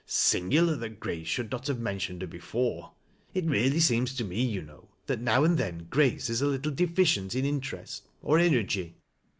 Singular that Grace should not have mentioned her before. It really seems to me, you know, that now and then Grace is a little deficient in interest, oj energy."